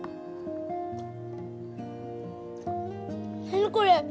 何これ！？